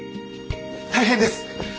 大変です！